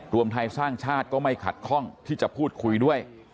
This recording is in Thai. รวมไทยสร้างชาติก็ไม่ขัดข้องที่จะพูดคุยด้วย